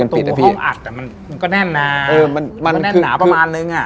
ห้องอัดแต่มันก็แน่นหนาแน่นหนาประมาณนึงอ่ะ